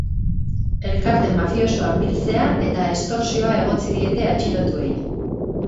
Elkarte mafiosoan biltzea eta estortsioa egotzi diete atxilotuei.